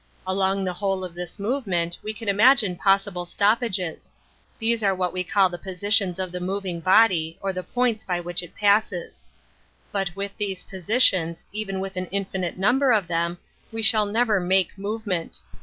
Along the whole of this movement we can imagine possible stop pages ; these are what we call the positions of the moving body, or the points by which But with these positions, even Metaphysics 49 with an infinite number of them, we shall never make movement.